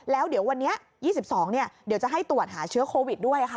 แล้วเดี๋ยววันนี้๒๒เดี๋ยวจะให้ตรวจหาเชื้อโควิดด้วยค่ะ